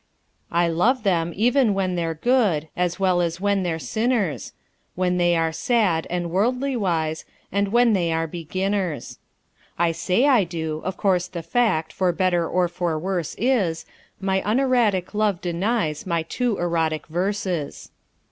I love them even when they're good, As well as when they're sinners When they are sad and worldly wise And when they are beginners. (I say I do; of course the fact, For better or for worse, is, My unerratic life denies My too erotic verses.)